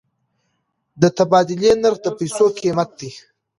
د تبادلې نرخ د پیسو قیمت دی.